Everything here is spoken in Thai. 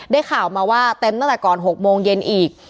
ได้ข่าวมาว่าเต็มตั้งแต่ก่อน๖โมงเย็นอีก